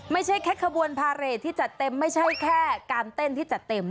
ไม่ใช่แค่ขบวนพาเรทที่จัดเต็มไม่ใช่แค่การเต้นที่จัดเต็ม